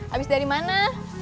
habis dari mana